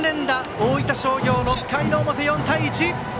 大分商業６回の表、４対１。